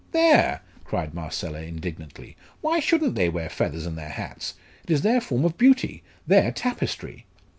"There!" cried Marcella, indignantly. "Why shouldn't they wear feathers in their hats? It is their form of beauty their tapestry!"